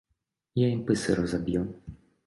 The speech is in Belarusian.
Я ім пысу разаб'ю.